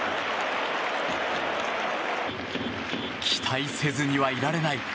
期待せずにはいられない